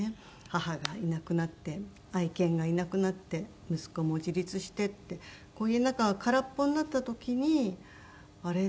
母がいなくなって愛犬がいなくなって息子も自立してってこう家の中が空っぽになった時にあれ？